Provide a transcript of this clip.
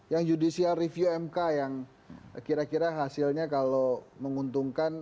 yang judicial review mk yang kira kira hasilnya kalau menguntungkan